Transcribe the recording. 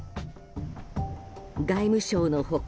外務省の他